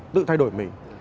tự thay đổi mình